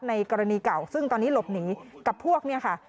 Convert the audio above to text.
ในกรณีเก่าซึ่งตอนนี้หลบหนีกับพวกเนี่ยค่ะ